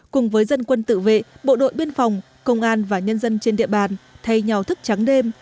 cùng với dân quân tự vệ bộ đội biên phòng công an và nhân dân trên địa bàn thay nhau thức trắng đêm